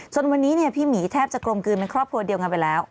จนวันนี้พี่หมีแทบจะกลมกลืนเป็นครอบครัวเดียวกันไปแล้ว